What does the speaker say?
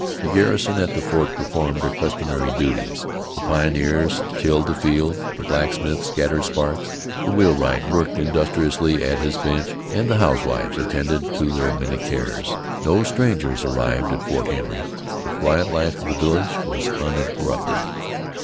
The garrison at the fort performed their customary duties; the pioneers tilled the fields; the blacksmith scattered sparks, the wheelwright worked industriously at his bench, and the housewives attended to their many cares. No strangers arrived at Fort Henry. The quiet life of the village was uninterrupted.